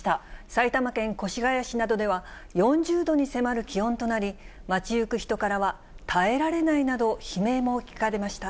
埼玉県越谷市などでは、４０度に迫る気温となり、街行く人からは、耐えられないなど、悲鳴も聞かれました。